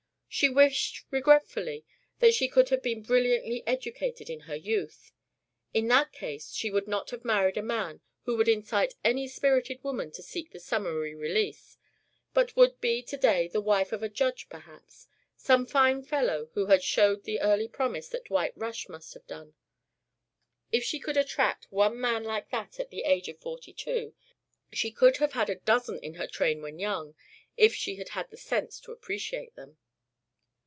She wished regretfully that she could have been brilliantly educated in her youth. In that case she would not have married a man who would incite any spirited woman to seek the summary release, but would be to day the wife of a judge, perhaps some fine fellow who had showed the early promise that Dwight Rush must have done. If she could attract one man like that, at the age of forty two, she could have had a dozen in her train when young if she had had the sense to appreciate them.